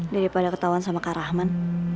daripada ketahuan sama kak rahman